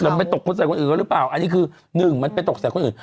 แล้วไปตกใส่เขาหรือเปล่าอันนี้คือหนึ่งมันไปตกใส่คนอื่น